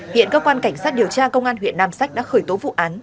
hiện các quan cảnh sát điều tra công an huyện nam sách đã khởi tố vụ án